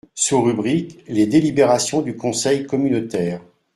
Sous-rubrique : les délibérations du Conseil communautaire.